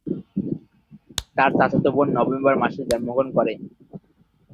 তার চাচাতো বোন নভেম্বর মাসে জন্মগ্রহণ করে।